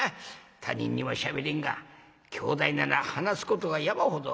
他人にはしゃべれんが兄弟なら話すことが山ほどある。